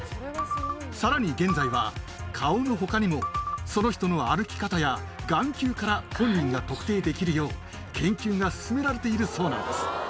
さらに現在は、顔のほかにもその人の歩き方や、眼球から本人が特定できるよう、研究が進められているそうなんです。